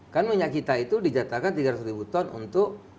kan minyak kita itu dijatakan tiga ratus ribu ton untuk